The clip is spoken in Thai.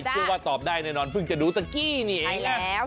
ว่าตอบได้แน่นอนเพิ่งจะดูตะกี้นี่เองแล้ว